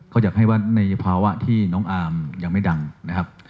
เขาอยากให้วัดในภาวะที่น้องอาร์มยังไม่ดังนะครับ